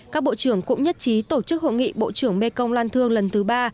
các bộ trưởng cũng nhất trí tổ chức hội nghị bộ trưởng mekong lan thương lần thứ ba